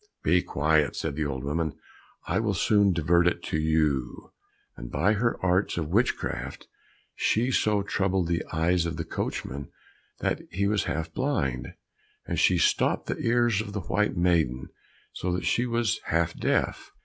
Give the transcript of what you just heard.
"Be quiet," said the old woman, "I will soon divert it to you," and by her arts of witchcraft, she so troubled the eyes of the coachman that he was half blind, and she stopped the ears of the white maiden so that she was half deaf.